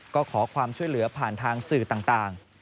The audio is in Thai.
ก็ขอความช่วยเหลือผ่านทางสื่อต่าง